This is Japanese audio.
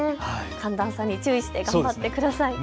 寒暖差に注意して頑張ってください。